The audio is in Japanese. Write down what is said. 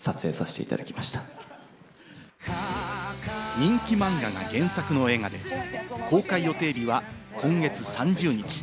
人気漫画が原作の映画で、公開予定日は今月３０日。